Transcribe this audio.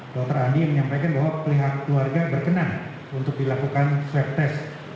dokter andi menyampaikan bahwa pihak keluarga berkenan untuk dilakukan swab test